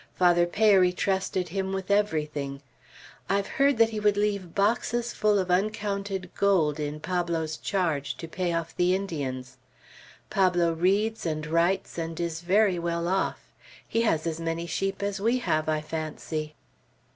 Father Peyri trusted him with everything; I've heard he would leave boxes full of uncounted gold in Pablo's charge to pay off the Indians. Pablo reads and writes, and is very well off; he has as many sheep as we have, I fancy!"